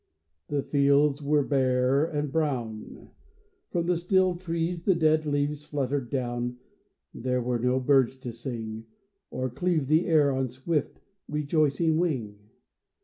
The fields were bare and brown ; From the still trees the dead leaves fluttered down ; There were no birds to sing, Or cleave the air on swift, rejoicing wing.